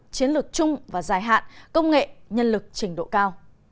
chiến lược chung và dài hạn công nghệ nhân lực trình độ cao